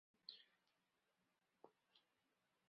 它也是奇尔特恩区属下的一个民政教区。